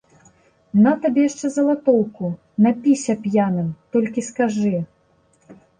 На табе яшчэ залатоўку, напіся п'яным, толькі скажы.